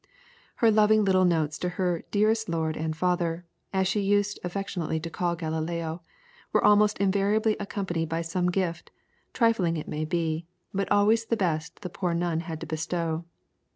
Her loving little notes to her "dearest lord and father," as she used affectionately to call Galileo, were almost invariably accompanied by some gift, trifling it may be, but always the best the poor nun had to bestow.